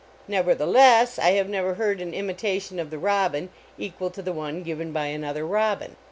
Nevertheless, I have never heard an imita tion of the robin equal to the one given by another robin.